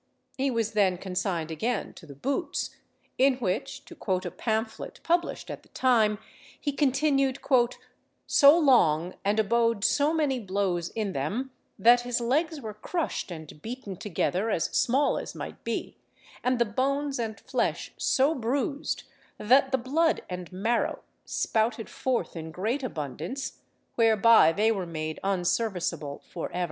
He was then consigned again to the boots, in which, to quote a pamphlet published at the time, he continued "so long, and abode so many blows in them, that his legs were crushed and beaten together as small as might be, and the bones and flesh so bruised, that the blood and marrow spouted forth in great abundance, whereby they were made unserviceable for ever."